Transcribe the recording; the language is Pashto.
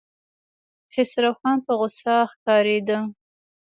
خسروخان په غوسه ښکارېده.